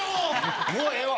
もうええわ。